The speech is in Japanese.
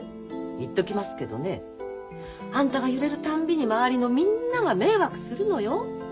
言っときますけどねあんたが揺れるたんびに周りのみんなが迷惑するのよ？